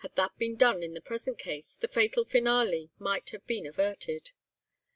Had that been done in the present case, the fatal finale might have been averted.